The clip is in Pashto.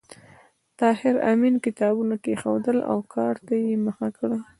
طاهر آمین کتابونه کېښودل او کار ته یې مخه کړه